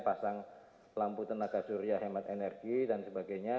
pasang lampu tenaga surya hemat energi dan sebagainya